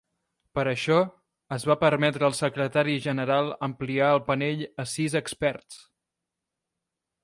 Per això, es va permetre al Secretari General ampliar el panell a sis experts.